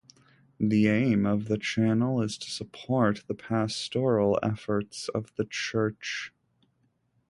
The aim of the channel is to support the pastoral efforts of the Church.